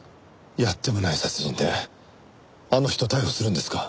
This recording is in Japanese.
やってもない殺人であの人を逮捕するんですか？